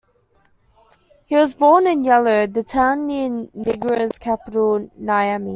He was born in Yellou, a town near Niger's capital, Niamey.